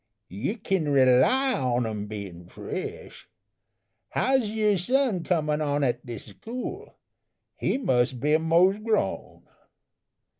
You kin rely on dem bein' fresh. How's your son comin' on at de school? He mus' be mos' grown."